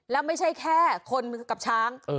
แล้วไม่ใช่แค่คนกับช้าง